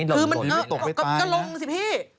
กระลงสิพี่